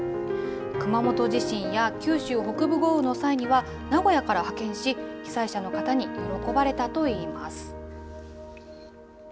熊本地震や九州北部豪雨の際には、名古屋から派遣し、被災者の方に喜ばれたといいます。